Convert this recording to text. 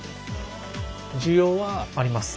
需要は？あります。